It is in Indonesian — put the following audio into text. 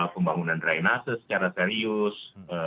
pembangunan dry nasa secara serius